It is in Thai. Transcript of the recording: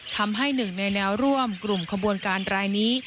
ทำให้หนึ่งในแนวร่วมกลุ่มขบวนการรายนี้